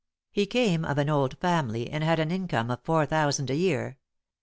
He came of an old family, and had an income of four thousand a year.